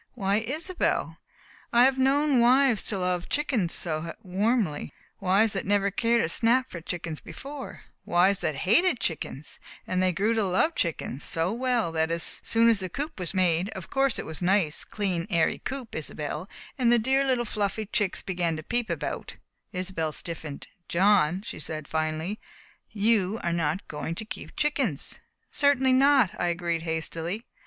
"Why, Isobel, I have known wives to love chickens so warmly wives that had never cared a snap for chickens before wives that hated chickens and they grew to love chickens so well that as soon as the coop was made of course it was a nice, clean, airy coop, Isobel and the dear little fluffy chicks began to peep about " Isobel stiffened. "John," she said finally "you are not going to keep chickens!" "Certainly not!" I agreed hastily.